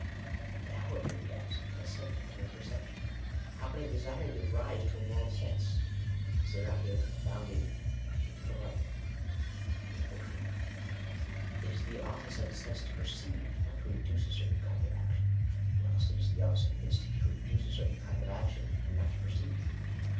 But how, it may be asked, can a sentiment have a percep ( tion ? how can a desire give rise to a moral sense ? Is there not here a confounding of the intellectual with the emotional ? It is the office of a sense to perceive, not to induce a certain kind of action ; whilst it is the office of an instinct to induce a certain kind of action, and not to perceive.